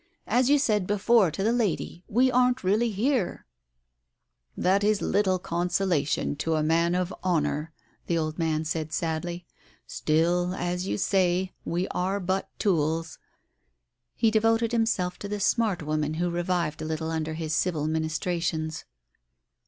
"As you said before to the lady, we aren't really here !" "That is little consolation to a man of honour," the old man said sadly. " Still, as you say, we are but tools " He devoted himself to the smart woman, who revived a little under his civil ministrations.